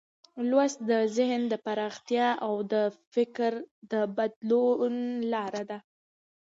لوستل د ذهن د پراختیا او د فکر د بدلون لار ده.